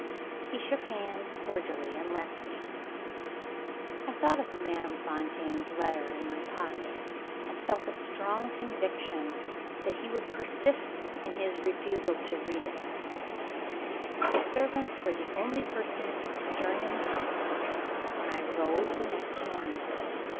He shook hands cordially, and left me. I thought of Madame Fontaine's letter in my pocket, and felt a strong conviction that he would persist in his refusal to read it. The servants were the only persons stirring in the house, when I rose the next morning.